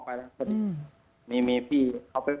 พอที่ตำรวจเขามาขอ